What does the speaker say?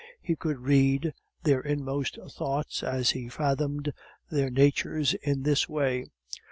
He could read their inmost thoughts as he fathomed their natures in this way.